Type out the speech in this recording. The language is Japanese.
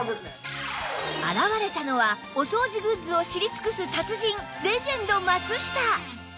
現れたのはお掃除グッズを知り尽くす達人レジェンド松下